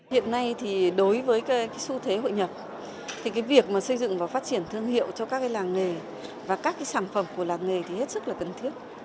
hiện nay đối với xu thế hội nhập việc xây dựng và phát triển thương hiệu cho các làng nghề và các sản phẩm của làng nghề hết sức cần thiết